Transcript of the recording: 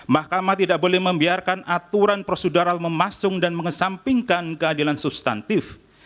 mahkamah tidak boleh membiarkan aturan prosedural memasung dan mengesampingkan keadilan substantif